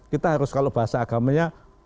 kita harus kalau bahasa agamanya